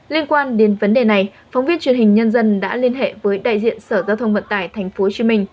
liên quan đến vấn đề này phóng viên truyền hình nhân dân đã liên hệ với đại diện sở giao thông vận tải tp hcm